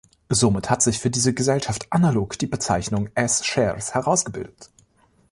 Somit hat sich für diese Gesellschaften analog die Bezeichnung S-Shares herausgebildet.